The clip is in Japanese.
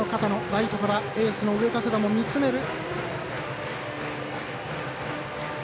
ライトからエースの上加世田も見つめる。